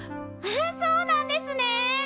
そうなんですね！